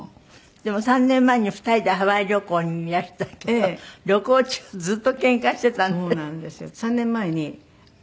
でも３年前に２人でハワイ旅行にいらしたけど旅行中ずっとけんかしてた？